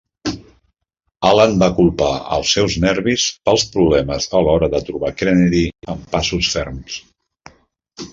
Alan va culpar els seus nervis pels problemes a l'hora de trobar Kennedy amb passos ferms.